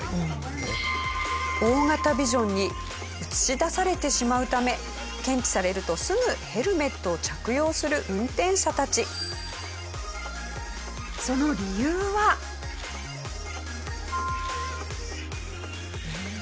大型ビジョンに映し出されてしまうため検知されるとすぐヘルメットを着用する運転者たち。とビジョンには大きく書いてありました。